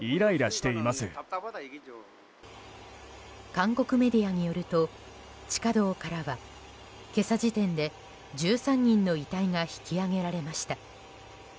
韓国メディアによると地下道からは、今朝時点で１３人の遺体が引き揚げられました。